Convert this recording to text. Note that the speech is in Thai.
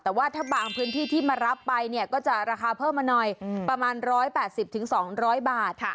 แต่ว่าถ้าบางพื้นที่ที่มารับไปเนี่ยก็จะราคาเพิ่มมาหน่อยประมาณ๑๘๐๒๐๐บาท